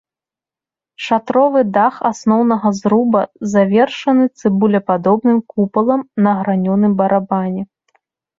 Шатровы дах асноўнага зруба завершаны цыбулепадобным купалам на гранёным барабане.